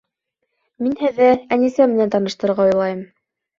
Мин һеҙҙе Әнисә менән таныштырырға уйлайым